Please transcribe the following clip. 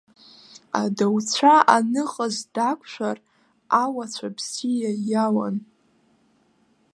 Адауцәа аныҟаз дақәшәар, ауацәа бзиа иауан.